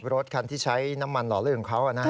รถคันที่ใช้น้ำมันหล่อเรื่องเขาอ่ะนะครับ